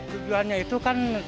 tujuannya itu kan